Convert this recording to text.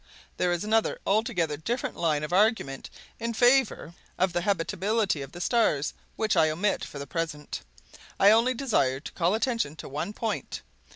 There is another altogether different line of argument in favor of the habitability of the stars, which I omit for the present. I only desire to call attention to one point.